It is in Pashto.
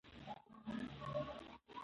تعلیم د علماوو د تجربو تبادله کوي.